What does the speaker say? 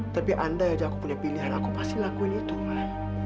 tapi andai aja aku punya pilihan aku pasti lakuin itu mbak